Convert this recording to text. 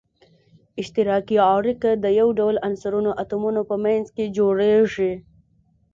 اشتراکي اړیکه د یو ډول عنصرونو اتومونو په منځ کې جوړیږی.